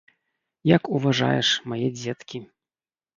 Як уважаеш, мае дзеткі.